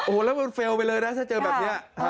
โอ้โหแล้วมันเฟลล์ไปเลยนะถ้าเจอแบบนี้